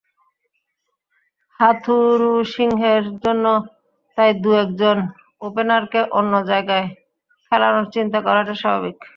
হাথুরুসিংহের জন্য তাই দু-একজন ওপেনারকে অন্য জায়গায় খেলানোর চিন্তা করাটাই স্বাভাবিক।